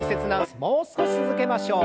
もう少し続けましょう。